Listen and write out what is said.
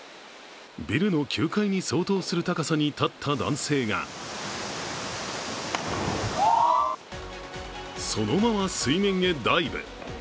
ビルの９階に相当する高さに立った男性がそのまま水面へダイブ。